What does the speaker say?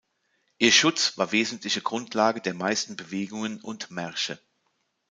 Ihr Schutz war wesentliche Grundlage der meisten Bewegungen und Märsche.